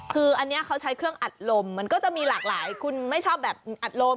คืออันนี้เขาใช้เครื่องอัดลมมันก็จะมีหลากหลายคุณไม่ชอบแบบอัดลม